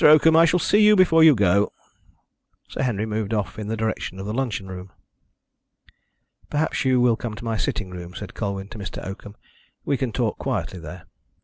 Oakham, I shall see you before you go." Sir Henry moved off in the direction of the luncheon room. "Perhaps you will come to my sitting room," said Colwyn to Mr. Oakham. "We can talk quietly there."